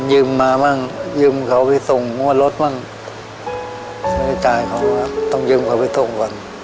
ยืมมาบ้างยืมเขาไปส่งว่ารถบ้างขอต้องยืมเขาไปส่งก่อน